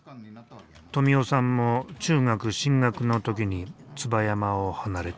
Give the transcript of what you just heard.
富男さんも中学進学の時に椿山を離れた。